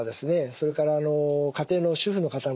それから家庭の主婦の方もですね